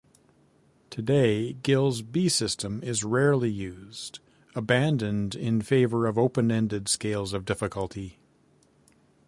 Today, Gill's B-system is rarely used, abandoned in favor of open-ended scales of difficulty.